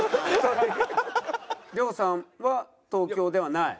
亮さんは東京ではない？